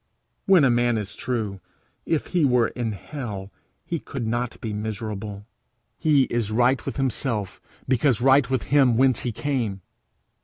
When a man is true, if he were in hell he could not be miserable. He is right with himself because right with him whence he came.